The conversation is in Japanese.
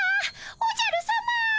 おじゃるさま。